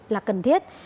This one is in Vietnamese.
là cần thiết